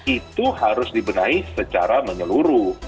itu harus dibenahi secara menyeluruh